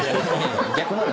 逆なの。